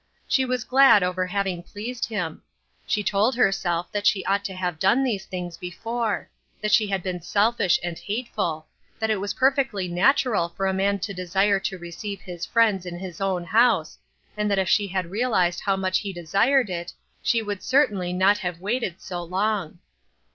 She was glad over having pleased him. She told her self that she ought to have done these things before ; that she had been selfish and hateful ; that it was perfectly natural for a man to desire to receive his friends in his own house, and that if she had realized how much he desired it, she would certainly not have waited so long.